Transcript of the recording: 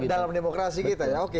dalam demokrasi kita ya